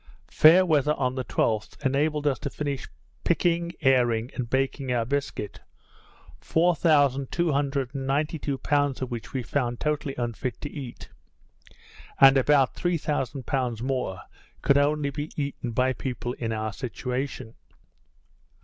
Fair weather on the 12th, enabled us to finish picking, airing, and baking our biscuit; four thousand two hundred and ninety two pounds of which we found totally unfit to eat; and about three thousand pounds more could only be eaten by people in our situation.